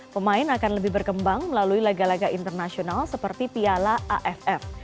pemain akan lebih berkembang melalui laga laga internasional seperti piala aff